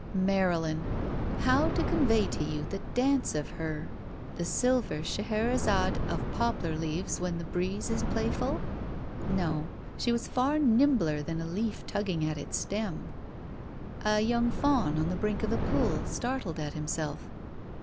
Marylin! How to convey to you the dance of herl The silver Scheherazade of poplar leaves when the breeze is playful? No. She was far nimbler than a leaf tugging at its stem. A young faun on the brink of a pool, startled at himself?